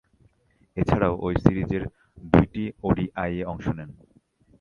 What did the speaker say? এছাড়াও, ঐ সিরিজের দুইটি ওডিআইয়ে অংশ নেন।